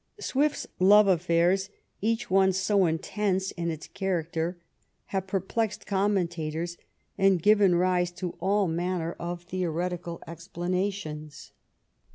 Swift's love affairs, each one so intense in its char acter, have perplexed commentators and given rise to all manner of theoretical explanations.